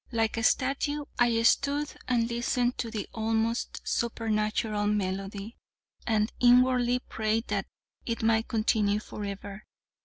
Like a statue, I stood and listened to the almost supernatural melody, and inwardly prayed that it might continue forever.